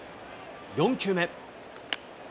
４球目。